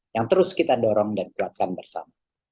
yang terus kita dorong dan kuatkan bersama